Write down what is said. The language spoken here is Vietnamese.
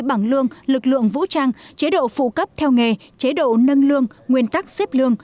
bằng lương lực lượng vũ trang chế độ phụ cấp theo nghề chế độ nâng lương nguyên tắc xếp lương